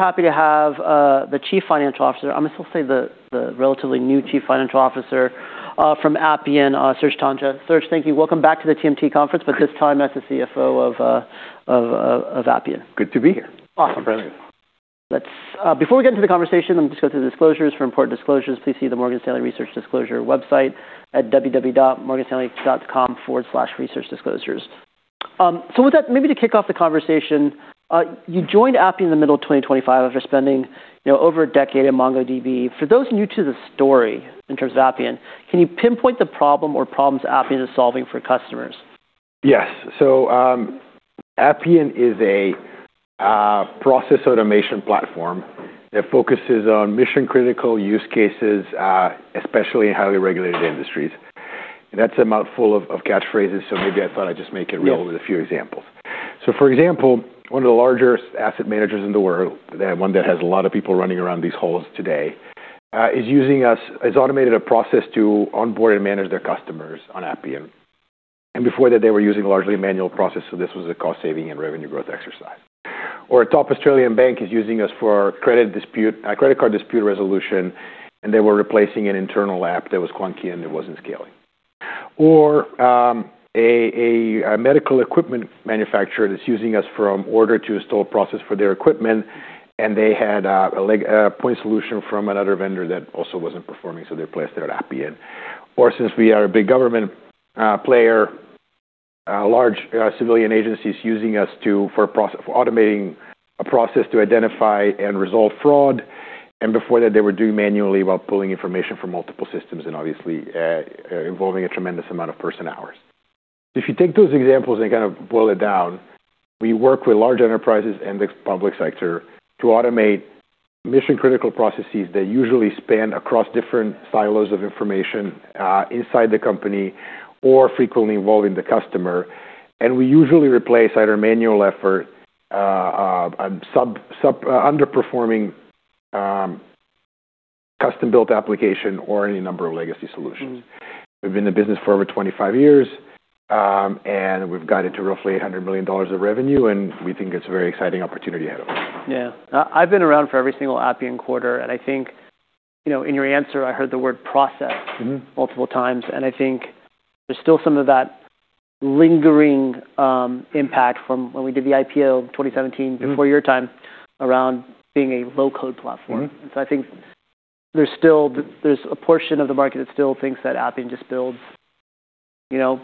Happy to have the Chief Financial Officer, I'm gonna still say the relatively new Chief Financial Officer, from Appian, Serge Tanjga. Serge, thank you. Welcome back to the TMT conference, this time as the CFO of Appian. Good to be here. Awesome. I'm ready. Before we get into the conversation, let me just go through the disclosures. For important disclosures, please see the Morgan Stanley Research Disclosure website at www.morganstanley.com/researchdisclosures. With that, maybe to kick off the conversation, you joined Appian in the middle of 2025 after spending, you know, over a decade at MongoDB.For those new to the story in terms of Appian, can you pinpoint the problem or problems Appian is solving for customers? Yes. Appian is a process automation platform that focuses on mission-critical use cases, especially in highly regulated industries. That's a mouthful of catchphrases, so maybe I thought I'd just make it real. Yeah. With a few examples. For example, one of the larger asset managers in the world, the one that has a lot of people running around these halls today, has automated a process to onboard and manage their customers on Appian. Before that, they were using largely a manual process, so this was a cost-saving and revenue growth exercise. A top Australian bank is using us for credit dispute, credit card dispute resolution, and they were replacing an internal app that was clunky, and it wasn't scaling. A medical equipment manufacturer that's using us from order to install process for their equipment, and they had a point solution from another vendor that also wasn't performing, so they replaced that at Appian. Since we are a big government player, a large civilian agency is using us for automating a process to identify and resolve fraud. Before that, they were doing manually while pulling information from multiple systems and obviously involving a tremendous amount of person-hours. If you take those examples and kind of boil it down, we work with large enterprises and the public sector to automate mission-critical processes that usually span across different silos of information inside the company or frequently involving the customer. We usually replace either manual effort, underperforming custom-built application or any number of legacy solutions. Mm-hmm. We've been in the business for over 25 years. We've got into roughly $100 million of revenue. We think it's a very exciting opportunity ahead of us. Yeah. I've been around for every single Appian quarter, and I think, you know, in your answer, I heard the word process... Mm-hmm. Multiple times, I think there's still some of that lingering impact from when we did the IPO in 2017. Mm-hmm. before your time, around being a low-code platform. Mm-hmm. I think there's still a portion of the market that still thinks that Appian just builds, you know,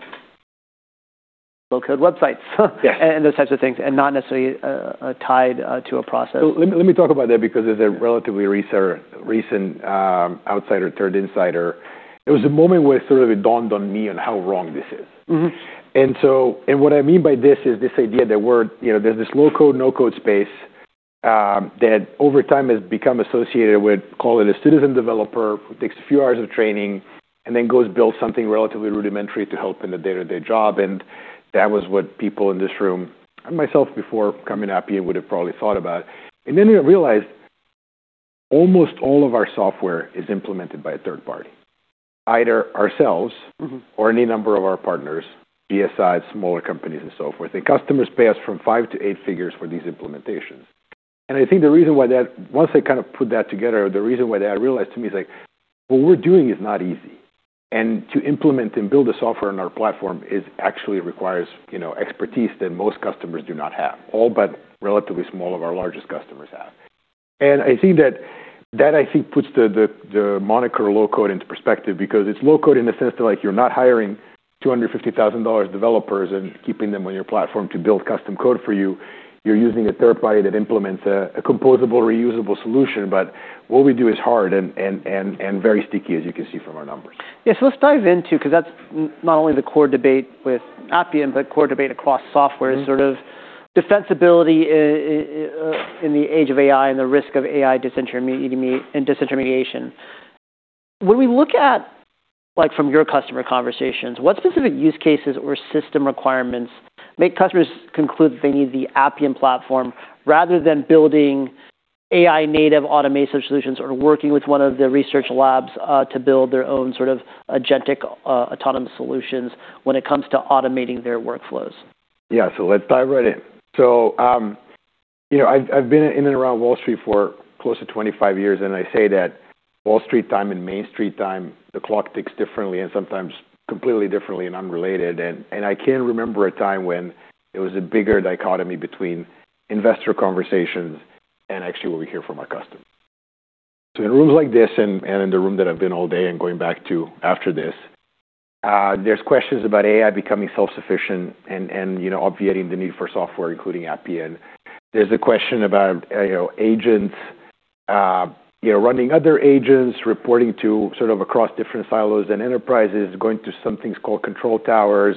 low-code websites. Yeah. Those types of things, and not necessarily, tied to a process. Let me talk about that because as a relatively recent outsider turned insider, there was a moment where it sort of dawned on me on how wrong this is. Mm-hmm. What I mean by this is this idea that we're, you know, there's this low-code, no-code space, that over time has become associated with, call it a citizen developer who takes a few hours of training and then goes build something relatively rudimentary to help in the day-to-day job. That was what people in this room and myself before coming to Appian would have probably thought about. Then I realized almost all of our software is implemented by a third party, either ourselves or... Mm-hmm. Any number of our partners, ESI, smaller companies, and so forth. The customers pay us from five to eight figures for these implementations. Once I kind of put that together, the reason why that realized to me is like, what we're doing is not easy. To implement and build the software on our platform actually requires, you know, expertise that most customers do not have. All but relatively small of our largest customers have. I think that, I think, puts the moniker low-code into perspective because it's low-code in the sense that, like, you're not hiring $250,000 developers and keeping them on your platform to build custom code for you. You're using a third party that implements a composable reusable solution. What we do is hard and very sticky, as you can see from our numbers. Yeah. let's dive into, 'cause that's not only the core debate with Appian, but core debate across software... Mm-hmm. Is sort of defensibility in the age of AI and the risk of AI and disintermediation. When we look at, like from your customer conversations, what specific use cases or system requirements make customers conclude they need the Appian platform rather than building AI native automation solutions or working with one of the research labs to build their own sort of agentic autonomous solutions when it comes to automating their workflows? Yeah. Let's dive right in. You know, I've been in and around Wall Street for close to 25 years, and I say that Wall Street time and Main Street time, the clock ticks differently and sometimes completely differently and unrelated. I can't remember a time when there was a bigger dichotomy between investor conversations and actually what we hear from our customers. In rooms like this and in the room that I've been all day and going back to after this, there's questions about AI becoming self-sufficient and, you know, obviating the need for software, including Appian. There's a question about, you know, agents, you know, running other agents, reporting to sort of across different silos and enterprises, going to some things called control towers.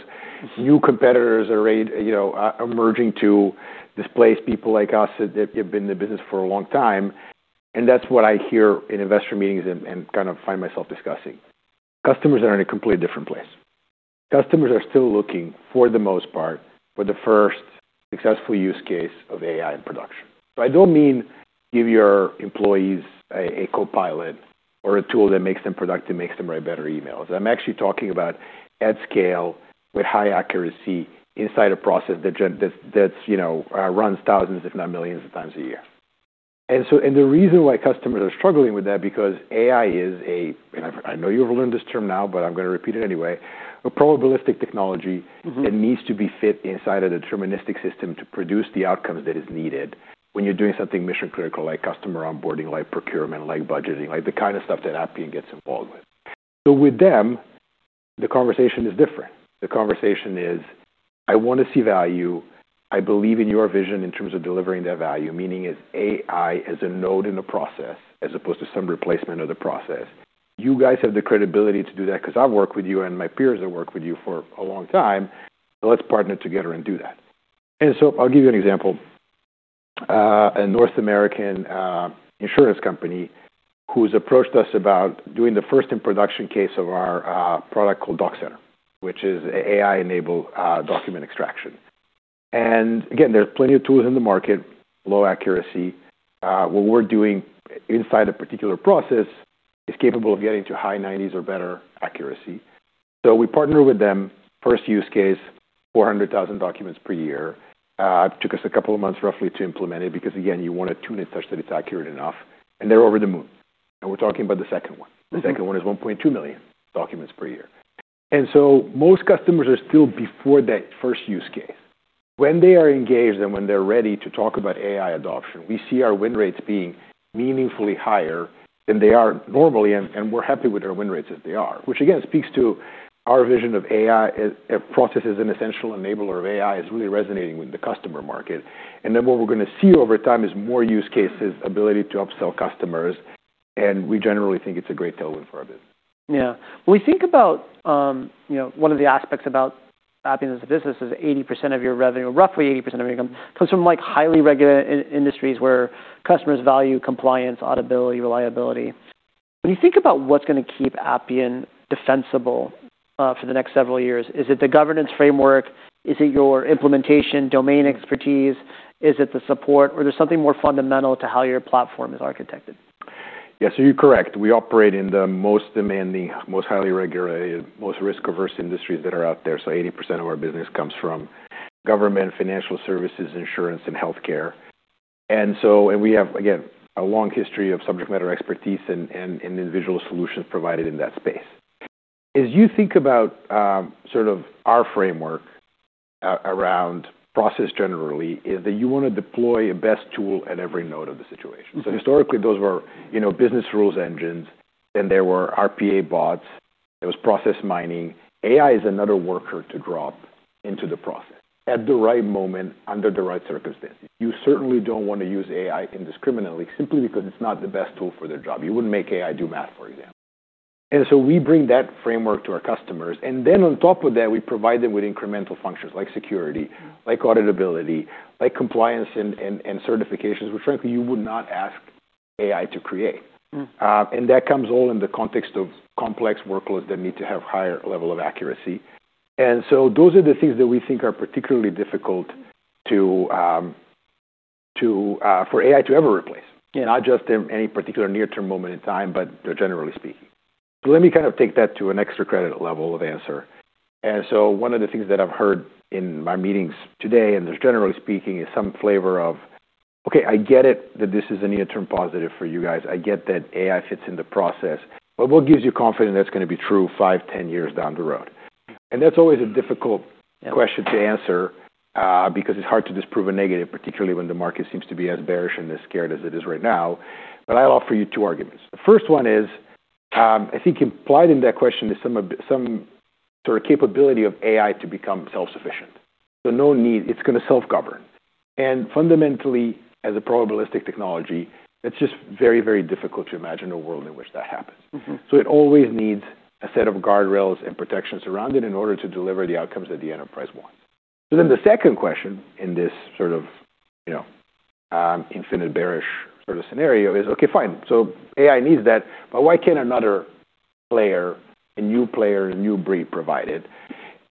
New competitors are, you know, emerging to displace people like us that have been in the business for a long time. That's what I hear in investor meetings and kind of find myself discussing. Customers are in a completely different place. Customers are still looking, for the most part, for the first successful use case of AI in production. I don't mean give your employees a copilot or a tool that makes them productive, makes them write better emails. I'm actually talking about at scale with high accuracy inside a process that's, you know, runs thousands, if not millions of times a year. The reason why customers are struggling with that because AI is a, and I know you've learned this term now, but I'm gonna repeat it anyway, a probabilistic technology. Mm-hmm. That needs to be fit inside a deterministic system to produce the outcomes that is needed when you're doing something mission-critical like customer onboarding, like procurement, like budgeting, like the kind of stuff that Appian gets involved with. With them, the conversation is different. The conversation is, "I wanna see value. I believe in your vision in terms of delivering that value, meaning as AI as a node in the process as opposed to some replacement of the process. You guys have the credibility to do that because I've worked with you and my peers have worked with you for a long time, so let's partner together and do that." I'll give you an example. A North American insurance company who's approached us about doing the first in production case of our product called DocCenter, which is AI-enabled document extraction. Again, there are plenty of tools in the market, low accuracy. What we're doing inside a particular process is capable of getting to high nineties or better accuracy. We partner with them. First use case, 400,000 documents per year. It took us a couple of months roughly to implement it because, again, you wanna tune it such that it's accurate enough, and they're over the moon. We're talking about the second one. Mm-hmm. The second one is 1.2 million documents per year. Most customers are still before that first use case. When they are engaged and when they're ready to talk about AI adoption, we see our win rates being meaningfully higher than they are normally, and we're happy with our win rates as they are. Which again, speaks to our vision of AI as a process is an essential enabler of AI is really resonating with the customer market. What we're gonna see over time is more use cases, ability to upsell customers, and we generally think it's a great tailwind for our business. Yeah. When we think about, you know, one of the aspects about Appian as a business is 80% of your revenue, roughly 80% of your income, comes from like highly regulated industries where customers value compliance, audibility, reliability. When you think about what's gonna keep Appian defensible for the next several years, is it the governance framework? Is it your implementation domain expertise? Is it the support, or there's something more fundamental to how your platform is architected? Yes, you're correct. We operate in the most demanding, most highly regulated, most risk-averse industries that are out there, so 80% of our business comes from government, financial services, insurance, and healthcare. We have, again, a long history of subject matter expertise and individual solutions provided in that space. As you think about, sort of our framework around process generally, is that you wanna deploy a best tool at every node of the situation. Mm-hmm. Historically, those were, you know, business rules engines, then there were RPA bots, there was process mining. AI is another worker to drop into the process at the right moment, under the right circumstances. You certainly don't wanna use AI indiscriminately simply because it's not the best tool for the job. You wouldn't make AI do math, for example. We bring that framework to our customers, and then on top of that, we provide them with incremental functions like security, like auditability, like compliance and certifications, which frankly, you would not ask AI to create. Mm. That comes all in the context of complex workloads that need to have higher level of accuracy. Those are the things that we think are particularly difficult to for AI to ever replace. Yeah. Not just in any particular near-term moment in time, but generally speaking. Let me kind of take that to an extra credit level of answer. One of the things that I've heard in my meetings today, and there's generally speaking, is some flavor of, "Okay, I get it that this is a near-term positive for you guys. I get that AI fits in the process, but what gives you confidence that's gonna be true five, 10 years down the road?" That's always a difficult question to answer because it's hard to disprove a negative, particularly when the market seems to be as bearish and as scared as it is right now. I'll offer you two arguments. The first one is, I think implied in that question is some sort of capability of AI to become self-sufficient. No need, it's gonna self-govern. Fundamentally, as a probabilistic technology, it's just very, very difficult to imagine a world in which that happens. Mm-hmm. It always needs a set of guardrails and protections around it in order to deliver the outcomes that the enterprise want. The second question in this sort of, you know, infinite bearish sort of scenario is, okay, fine. AI needs that, but why can't another player, a new player, a new breed provide it?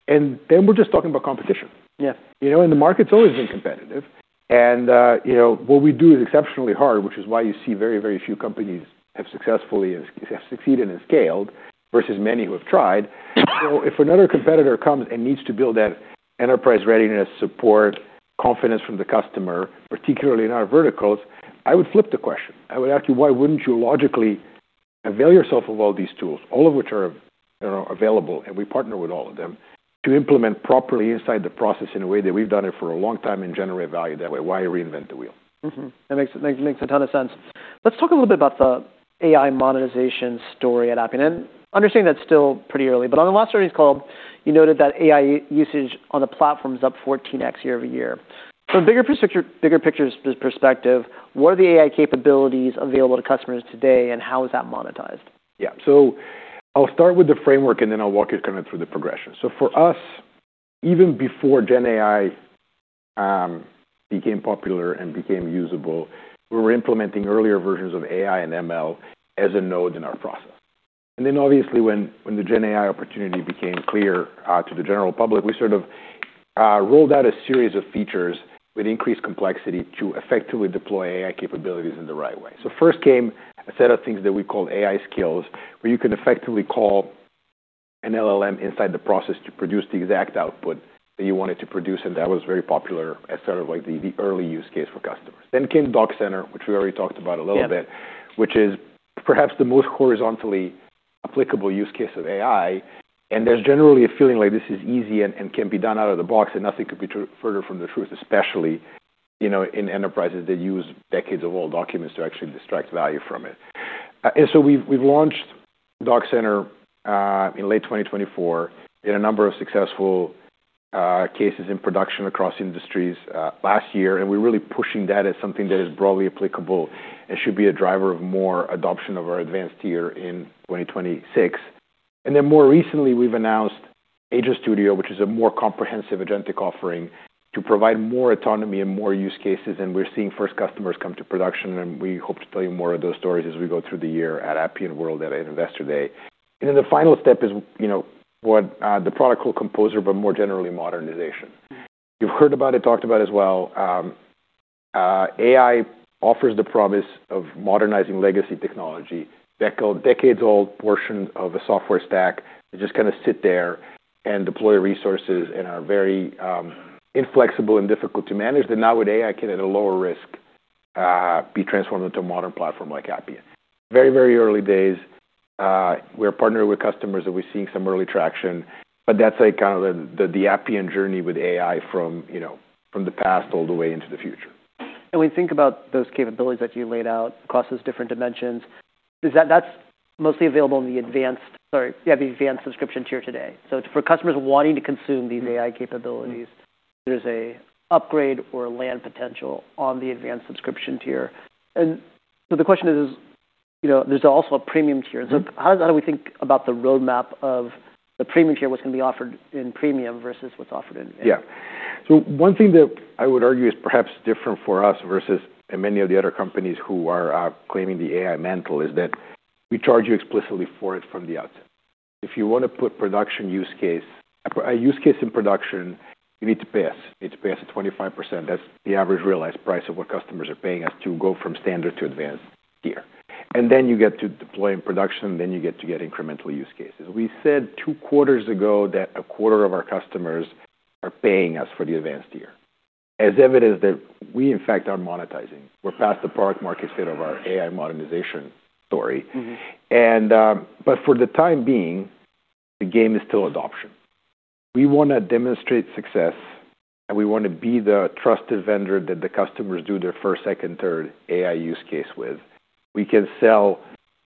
Then we're just talking about competition. Yeah. You know, the market's always been competitive. You know, what we do is exceptionally hard, which is why you see very, very few companies have succeeded and scaled versus many who have tried. If another competitor comes and needs to build that enterprise readiness, support, confidence from the customer, particularly in our verticals, I would flip the question. I would ask you, why wouldn't you logically avail yourself of all these tools, all of which are, you know, available, and we partner with all of them, to implement properly inside the process in a way that we've done it for a long time and generate value that way. Why reinvent the wheel? Mm-hmm. That makes a ton of sense. Let's talk a little bit about the AI monetization story at Appian. Understanding that's still pretty early, but on the last earnings call, you noted that AI usage on the platform is up 14x year-over-year. From a bigger picture perspective, what are the AI capabilities available to customers today, and how is that monetized? Yeah. I'll start with the framework, and then I'll walk you kind of through the progression. For us, even before GenAI became popular and became usable, we were implementing earlier versions of AI and ML as a node in our process. Obviously, when the GenAI opportunity became clear to the general public, we sort of rolled out a series of features with increased complexity to effectively deploy AI capabilities in the right way. First came a set of things that we called AI Skills, where you can effectively call an LLM inside the process to produce the exact output that you wanted to produce, and that was very popular as sort of like the early use case for customers. Came DocCenter, which we already talked about a little bit. Yeah. which is perhaps the most horizontally applicable use case of AI, and there's generally a feeling like this is easy and can be done out of the box, and nothing could be further from the truth, especially, you know, in enterprises that use decades of old documents to actually distract value from it. We've launched Doc Center in late 2024 in a number of successful cases in production across industries last year, and we're really pushing that as something that is broadly applicable and should be a driver of more adoption of our advanced tier in 2026. More recently, we've announced Agent Studio, which is a more comprehensive agentic offering to provide more autonomy and more use cases, and we're seeing first customers come to production, and we hope to tell you more of those stories as we go through the year at Appian World at Investor Day. The final step is, you know, what the product called Composer, but more generally Modernization. You've heard about it, talked about it as well. AI offers the promise of modernizing legacy technology. Decades old portion of a software stack just kinda sit there and deploy resources and are very inflexible and difficult to manage that now with AI can, at a lower risk, be transformed into a modern platform like Appian. Very, very early days. We're partnered with customers, and we're seeing some early traction, but that's like kind of the Appian journey with AI from, you know, from the past all the way into the future. We think about those capabilities that you laid out across those different dimensions that's mostly available in the advanced subscription tier today. For customers wanting to consume these AI capabilities, there's a upgrade or land potential on the advanced subscription tier. The question is, you know, there's also a premium tier. How do we think about the roadmap of the premium tier, what's gonna be offered in premium versus what's offered in AI? Yeah. One thing that I would argue is perhaps different for us versus many of the other companies who are claiming the AI mantle is that we charge you explicitly for it from the outset. If you wanna put a use case in production, you need to pay us. You need to pay us a 25%. That's the average realized price of what customers are paying us to go from standard to advanced tier. Then you get to deploy in production, then you get to get incremental use cases. We said two quarters ago that a quarter of our customers are paying us for the advanced tier. As evidence that we, in fact, are monetizing, we're past the product market state of our AI modernization story. Mm-hmm. For the time being, the game is still adoption. We wanna demonstrate success, and we wanna be the trusted vendor that the customers do their first, second, third AI use case with. We can sell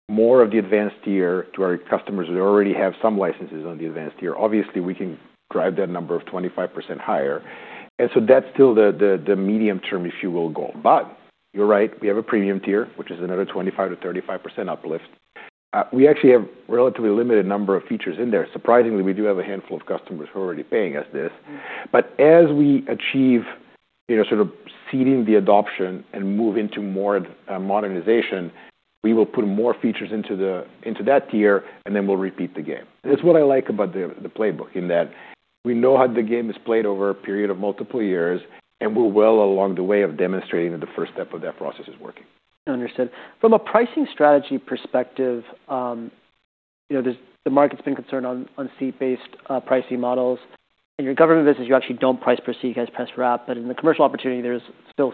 more of the advanced tier to our customers who already have some licenses on the advanced tier. Obviously, we can drive that number of 25% higher. That's still the medium term, if you will, goal. You're right, we have a premium tier, which is another 25% to 35% uplift. We actually have relatively limited number of features in there. Surprisingly, we do have a handful of customers who are already paying us this. As we achieve, you know, sort of seeding the adoption and move into more modernization, we will put more features into that tier, and then we'll repeat the game. That's what I like about the playbook, in that we know how the game is played over a period of multiple years, and we're well along the way of demonstrating that the first step of that process is working. Understood. From a pricing strategy perspective, you know, the market's been concerned on seat-based pricing models. In your government business, you actually don't price per seat, you guys price per app. In the commercial opportunity, there's still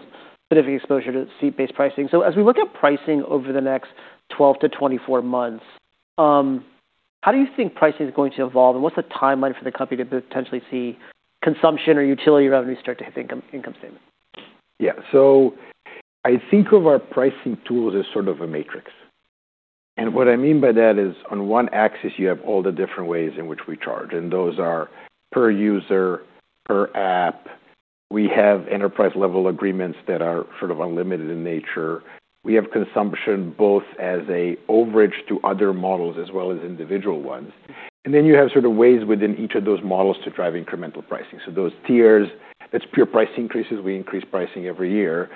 significant exposure to seat-based pricing. As we look at pricing over the next 12 to 24 months, how do you think pricing is going to evolve, and what's the timeline for the company to potentially see consumption or utility revenue start to hit the income statement? I think of our pricing tools as sort of a matrix. What I mean by that is on one axis, you have all the different ways in which we charge, and those are per user, per app. We have enterprise-level agreements that are sort of unlimited in nature. We have consumption both as a overage to other models as well as individual ones. You have sort of ways within each of those models to drive incremental pricing. Those tiers, it's pure price increases. We increase pricing every year.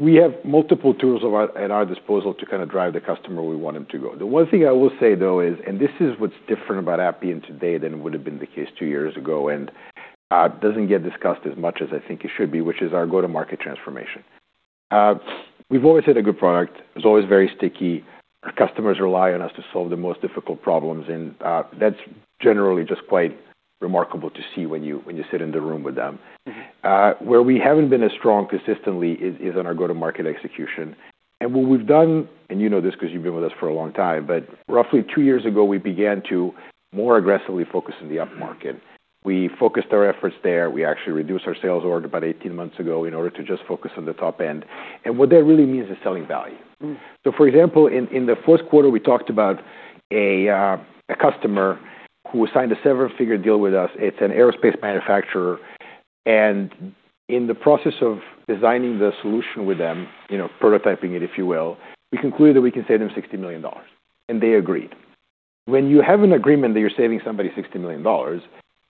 We have multiple tools at our disposal to kinda drive the customer where we want them to go. The one thing I will say, though, is, this is what's different about Appian today than would've been the case two years ago. It doesn't get discussed as much as I think it should be, which is our go-to-market transformation. We've always had a good product. It's always very sticky. Our customers rely on us to solve the most difficult problems, that's generally just quite remarkable to see when you sit in the room with them. Mm-hmm. Where we haven't been as strong consistently is on our go-to-market execution. What we've done, and you know this 'cause you've been with us for a long time, but roughly two years ago, we began to more aggressively focus on the upmarket. We focused our efforts there. We actually reduced our sales org about 18 months ago in order to just focus on the top end. What that really means is selling value. Mm. For example, in the first quarter, we talked about a customer who signed a seven-figure deal with us. It's an aerospace manufacturer. In the process of designing the solution with them, you know, prototyping it, if you will, we concluded we can save them $60 million, and they agreed. When you have an agreement that you're saving somebody $60 million,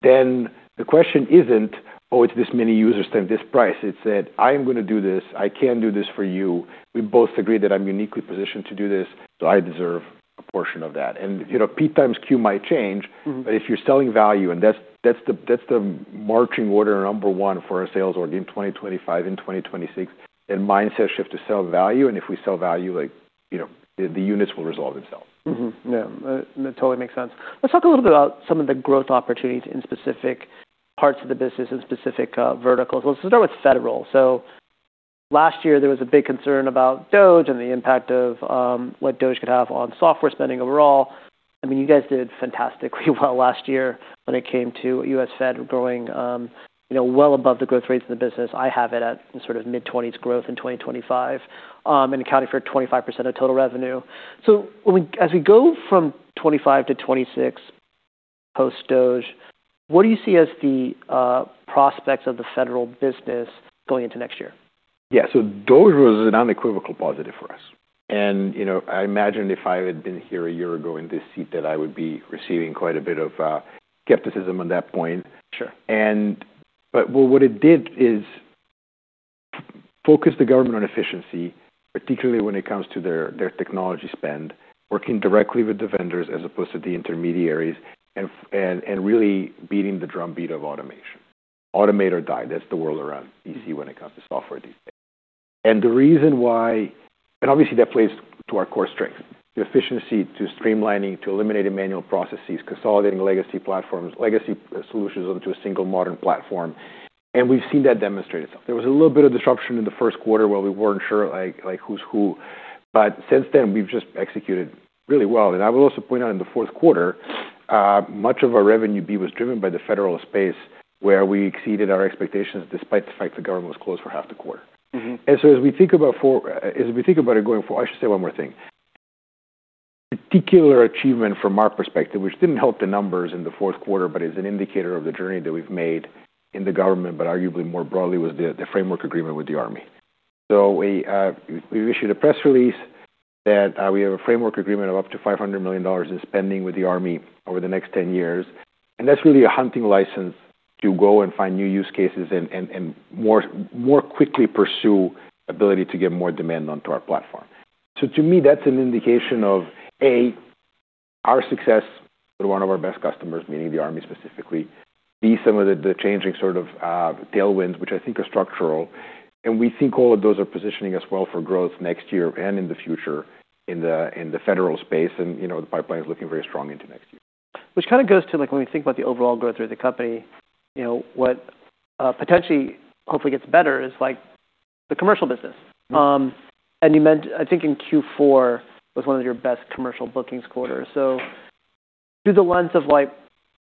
then the question isn't, "Oh, it's this many users times this price." It's that, "I am gonna do this. I can do this for you. We both agree that I'm uniquely positioned to do this, so I deserve a portion of that." You know, P x Q might change. Mm-hmm. If you're selling value, and that's the marching order number one for our sales org in 2025 and 2026, a mindset shift to sell value, and if we sell value, like, you know, the units will resolve itself. Yeah. That totally makes sense. Let's talk a little bit about some of the growth opportunities in specific parts of the business in specific verticals. Let's start with Federal. Last year, there was a big concern about DOGE and the impact of what DOGE could have on software spending overall. I mean, you guys did fantastically well last year when it came to US Fed growing, you know, well above the growth rates in the business. I have it at sort of mid-20% growth in 2025 and accounting for 25% of total revenue. As we go from 2025 to 2026 post-DOGE, what do you see as the prospects of the Federal business going into next year? Yeah. DOGE was an unequivocal positive for us. You know, I imagine if I had been here a year ago in this seat that I would be receiving quite a bit of skepticism on that point. Sure. But what it did is focus the government on efficiency, particularly when it comes to their technology spend, working directly with the vendors as opposed to the intermediaries and really beating the drumbeat of automation. Automate or die. That's the world around easy when it comes to software these days. The reason why. Obviously, that plays to our core strength, the efficiency to streamlining, to eliminating manual processes, consolidating legacy platforms, legacy solutions onto a single modern platform. We've seen that demonstrate itself. There was a little bit of disruption in the first quarter where we weren't sure, like who's who. Since then, we've just executed really well. I will also point out in the fourth quarter, much of our revenue B was driven by the federal space where we exceeded our expectations despite the fact the government was closed for 1/2 the quarter. Mm-hmm. I should say one more thing. Particular achievement from our perspective, which didn't help the numbers in the fourth quarter, but is an indicator of the journey that we've made in the government, but arguably more broadly, was the framework agreement with the Army. We issued a press release that we have a framework agreement of up to $500 million in spending with the Army over the next 10 years, and that's really a hunting license to go and find new use cases and more quickly pursue ability to get more demand onto our platform. To me, that's an indication of, A, our success with one of our best customers, meaning the Army specifically, B, some of the changing sort of tailwinds, which I think are structural. We think all of those are positioning us well for growth next year and in the future in the federal space. You know, the pipeline is looking very strong into next year. kind of goes to, like, when we think about the overall growth rate of the company, you know, what potentially hopefully gets better is, like, the commercial business. You mentioned, I think in fourth quarter was one of your best commercial bookings quarters. Through the lens of, like,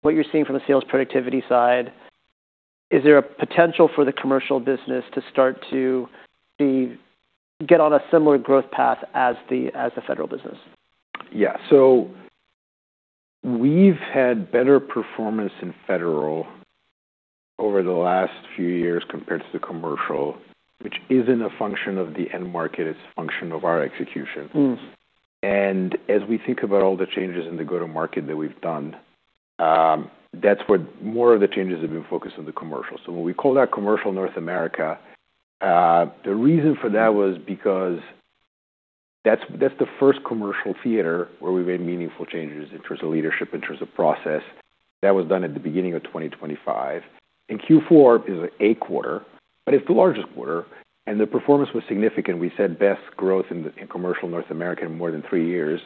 what you're seeing from a sales productivity side, is there a potential for the commercial business to start to get on a similar growth path as the federal business? Yeah. We've had better performance in Federal over the last few years compared to the commercial, which isn't a function of the end market, it's a function of our execution. Mm-hmm. As we think about all the changes in the go-to-market that we've done, that's where more of the changes have been focused on the commercial. When we call that commercial North America, the reason for that was because that's the first commercial theater where we made meaningful changes in terms of leadership, in terms of process. That was done at the beginning of 2025. fourth quarter is a quarter, but it's the largest quarter, and the performance was significant. We said best growth in commercial North America in more than three years.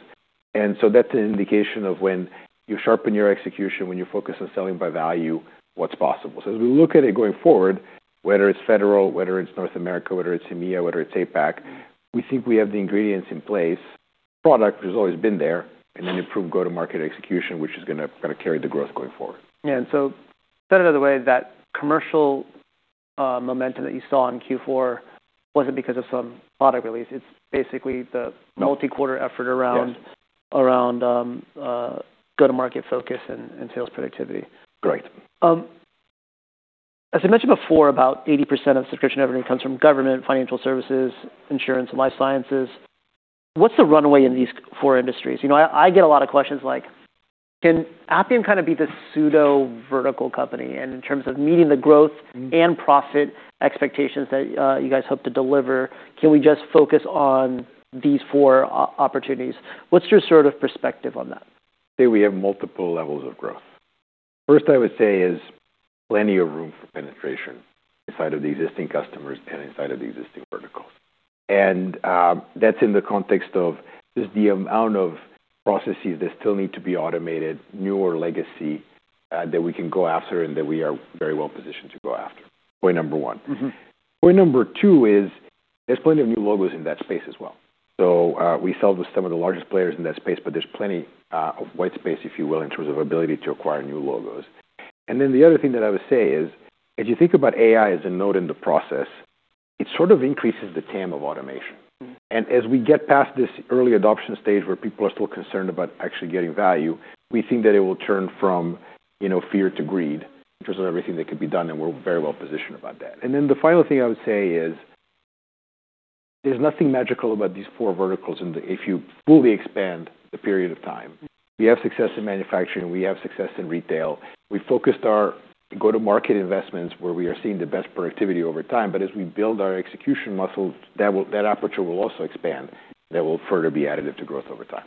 That's an indication of when you sharpen your execution, when you focus on selling by value, what's possible. As we look at it going forward, whether it's federal, whether it's North America, whether it's EMEA, whether it's APAC, we think we have the ingredients in place. Product has always been there, and then improved go-to-market execution, which is gonna carry the growth going forward. Yeah. Said another way, that commercial momentum that you saw in fourth quarter wasn't because of some product release. It's basically the multi-quarter effort around... Yes. Around, go-to-market focus and sales productivity. Great. As I mentioned before, about 80% of subscription revenue comes from government, financial services, insurance, and life sciences. What's the runway in these four industries? You know, I get a lot of questions like, "Can Appian kind of be the pseudo vertical company? And in terms of meeting the growth and profit expectations that you guys hope to deliver, can we just focus on these four opportunities?" What's your sort of perspective on that? Say we have multiple levels of growth. First, I would say is plenty of room for penetration inside of the existing customers and inside of the existing verticals. That's in the context of just the amount of processes that still need to be automated, newer legacy, that we can go after and that we are very well positioned to go after. Point number one. Mm-hmm. Point number two is there's plenty of new logos in that space as well. We sell to some of the largest players in that space, but there's plenty of white space, if you will, in terms of ability to acquire new logos. The other thing that I would say is, as you think about AI as a node in the process, it sort of increases the TAM of automation. Mm-hmm. As we get past this early adoption stage where people are still concerned about actually getting value, we think that it will turn from, you know, fear to greed in terms of everything that could be done, and we're very well positioned about that. The final thing I would say is there's nothing magical about these four verticals in the if you fully expand the period of time. We have success in manufacturing, we have success in retail. We focused our go-to-market investments where we are seeing the best productivity over time, but as we build our execution muscle, that aperture will also expand. That will further be additive to growth over time.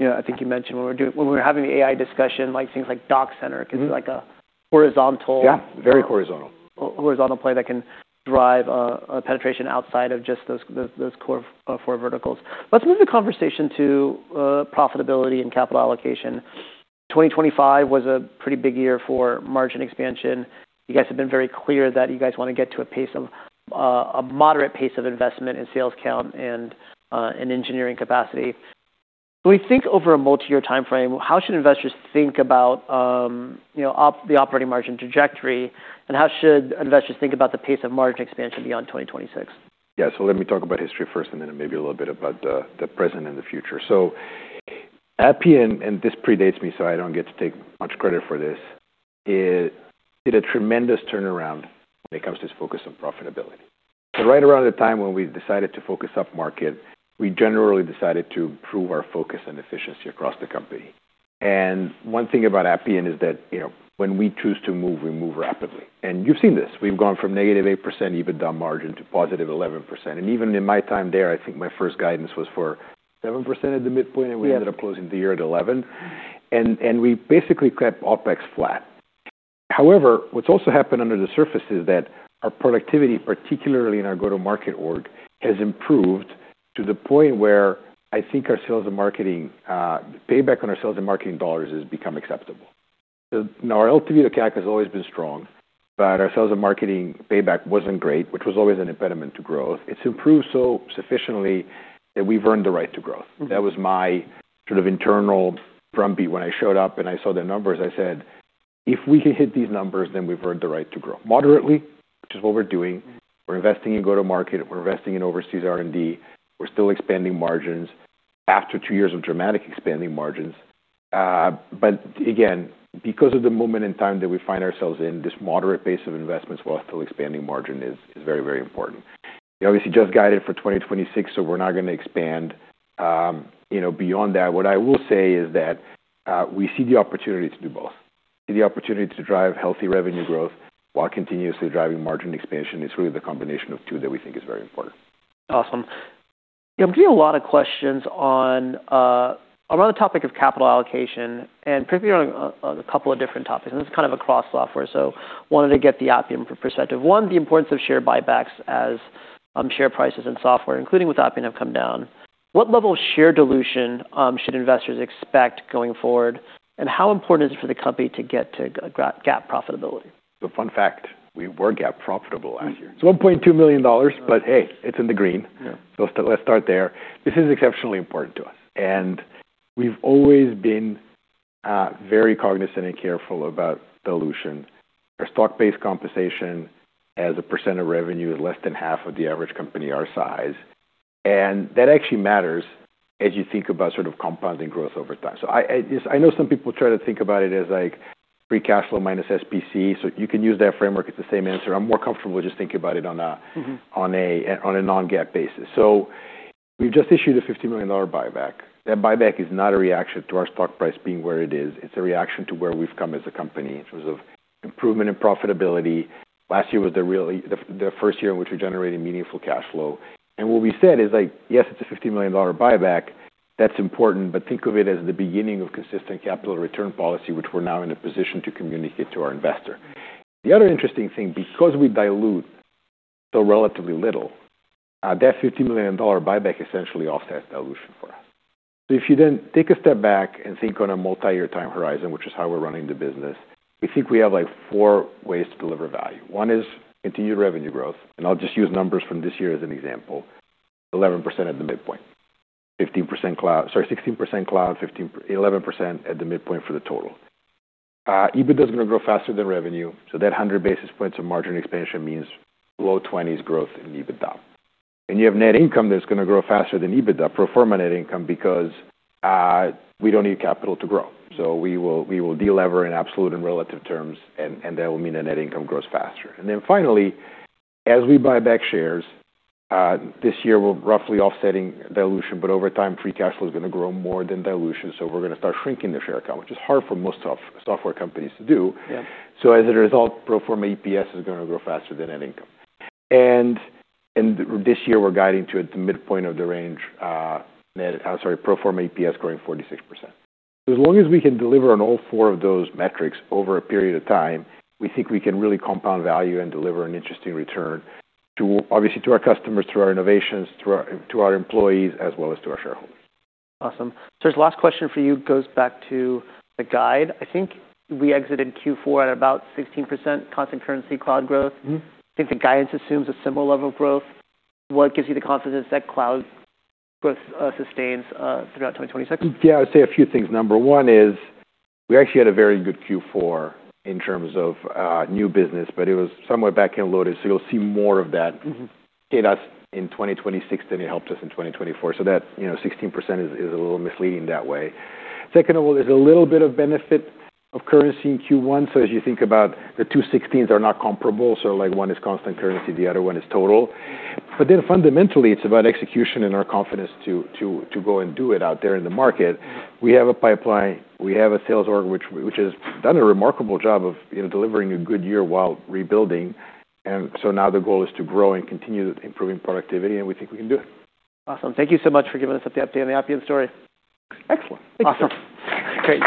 Yeah. I think you mentioned when we were having the AI discussion, like things like DocCenter... Mm-hmm. Can be like a horizontal... Yeah, very horizontal. Horizontal play that can drive a penetration outside of just those core four verticals. Let's move the conversation to profitability and capital allocation. 2025 was a pretty big year for margin expansion. You guys have been very clear that you guys wanna get to a pace of a moderate pace of investment in sales count and in engineering capacity. When we think over a multi-year timeframe, how should investors think about, you know, the operating margin trajectory, and how should investors think about the pace of margin expansion beyond 2026? Yeah. Let me talk about history first and then maybe a little bit about the present and the future. Appian, and this predates me, so I don't get to take much credit for this, it did a tremendous turnaround when it comes to its focus on profitability. Right around the time when we decided to focus up market, we generally decided to improve our focus and efficiency across the company. One thing about Appian is that, you know, when we choose to move, we move rapidly. You've seen this. We've gone from negative 8% EBITDA margin to positive 11%. Even in my time there, I think my first guidance was for 7% at the midpoint, and we ended up closing the year at 11%. We basically kept OpEx flat. However, what's also happened under the surface is that our productivity, particularly in our go-to-market org, has improved to the point where I think our sales and marketing payback on our sales and marketing dollars has become acceptable. Now our LTV to CAC has always been strong, but our sales and marketing payback wasn't great, which was always an impediment to growth. It's improved so sufficiently that we've earned the right to growth. That was my sort of internal drumbeat when I showed up, and I saw the numbers, I said, "If we can hit these numbers, then we've earned the right to grow moderately," which is what we're doing. We're investing in go-to-market, we're investing in overseas R&D. We're still expanding margins after two years of dramatic expanding margins. Again, because of the moment in time that we find ourselves in, this moderate pace of investments while still expanding margin is very, very important. We obviously just guided for 2026, we're not gonna expand, you know, beyond that. What I will say is that we see the opportunity to do both. See the opportunity to drive healthy revenue growth while continuously driving margin expansion. It's really the combination of two that we think is very important. Awesome. I'm getting a lot of questions on around the topic of capital allocation and particularly on a couple of different topics, and this is kind of across software. Wanted to get the Appian perspective. One, the importance of share buybacks as share prices in software, including with Appian, have come down. What level of share dilution should investors expect going forward, and how important is it for the company to get to GAAP profitability? The fun fact, we were GAAP profitable last year. It's $1.2 million. Hey, it's in the green. Yeah. Let's start there. This is exceptionally important to us, and we've always been very cognizant and careful about dilution. Our stock-based compensation as a percent of revenue is less than 1/2 of the average company our size. That actually matters as you think about sort of compounding growth over time. I know some people try to think about it as, like, free cash flow minus SBC, you can use that framework, it's the same answer. I'm more comfortable just thinking about it on a... Mm-hmm. On a non-GAAP basis. We just issued a $50 million buyback. That buyback is not a reaction to our stock price being where it is, it's a reaction to where we've come as a company in terms of improvement in profitability. Last year was the first year in which we generated meaningful cash flow. What we said is like, yes, it's a $50 million buyback, that's important, but think of it as the beginning of consistent capital return policy, which we're now in a position to communicate to our investor. The other interesting thing, because we dilute so relatively little, that $50 million buyback essentially offsets dilution for us. If you then take a step back and think on a multi-year time horizon, which is how we're running the business, we think we have, like, four ways to deliver value. One is continued revenue growth, and I'll just use numbers from this year as an example, 11% at the midpoint. 16% cloud, 11% at the midpoint for the total. EBITDA is gonna grow faster than revenue, so that 100 basis points of margin expansion means low twenties growth in EBITDA. You have net income that's gonna grow faster than EBITDA, pro forma net income, because we don't need capital to grow. We will delever in absolute and relative terms, and that will mean the net income grows faster. Finally, as we buy back shares, this year we're roughly offsetting dilution, but over time, free cash flow is gonna grow more than dilution, so we're gonna start shrinking the share count, which is hard for most software companies to do. Yeah. As a result, pro forma EPS is gonna grow faster than net income. This year we're guiding to its midpoint of the range, sorry, pro forma EPS growing 46%. As long as we can deliver on all four of those metrics over a period of time, we think we can really compound value and deliver an interesting return to, obviously, to our customers, through our innovations, to our employees, as well as to our shareholders. Awesome. This last question for you goes back to the guide. I think we exited fourth quarter at about 16% constant currency cloud growth. Mm-hmm. I think the guidance assumes a similar level of growth. What gives you the confidence that cloud growth sustains throughout 2026? Yeah. I would say a few things. Number one is we actually had a very good fourth quarter in terms of, new business, but it was somewhat back-end loaded, so you'll see more of that... Mm-hmm. Hit us in 2026 than it helped us in 2024. That, you know, 16% is a little misleading that way. Second of all, there's a little bit of benefit of currency in first quarter. As you think about the two 16s are not comparable, like, one is constant currency, the other one is total. Fundamentally, it's about execution and our confidence to go and do it out there in the market. We have a pipeline, we have a sales org, which has done a remarkable job of, you know, delivering a good year while rebuilding. Now the goal is to grow and continue improving productivity, and we think we can do it. Awesome. Thank you so much for giving us the update on the Appian story. Excellent. Thanks. Awesome. Great.